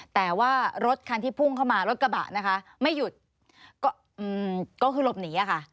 แต่ว่ารถคันที่พุ่งเข้ามารถกระบะนะคะไม่หยุดก็คือหลบหนีอะค่ะ